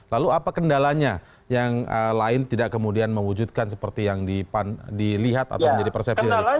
lalu apa kendalanya yang lain tidak kemudian mewujudkan seperti yang dilihat atau menjadi persepsi dari